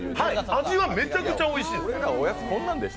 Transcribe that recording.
味はめちゃくちゃおいしい。